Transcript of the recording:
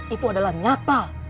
itu adalah nyata